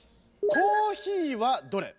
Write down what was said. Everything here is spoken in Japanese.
コーヒーはどれ？